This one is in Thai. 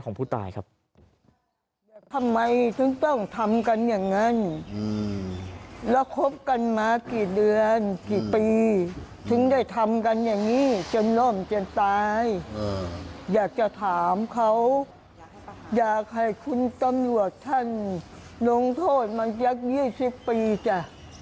กันมากี่เดือนกี่ปีถึงได้ทำกันอย่างนี้จนร่วมจนตายอยากจะถามเขาอยากให้คุณตำรวจท่านลงโทษมันจาก๒๐ปีจ้ะ